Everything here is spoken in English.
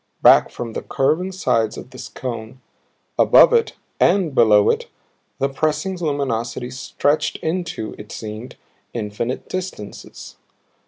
Back from the curving sides of this cone, above it and below it, the pressing luminosities stretched into, it seemed, infinite distances.